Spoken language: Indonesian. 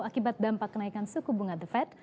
akibat dampak kenaikan suku bunga the fed